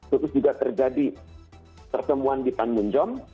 terus juga terjadi pertemuan di tanmunjong